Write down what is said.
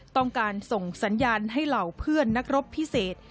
ต้องการส่งสัญญาณให้เหล่าเพื่อนนักรบพิเศษ